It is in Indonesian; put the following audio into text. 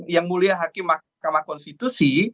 yang mulia hakim mahkamah konstitusi